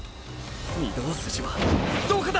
御堂筋はどこだ！！